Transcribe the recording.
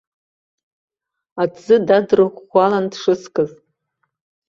Аҭӡы дадырӷәӷәалан дшыскыз.